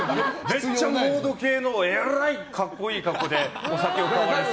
めっちゃモード系のえらい格好いい格好で、お酒を。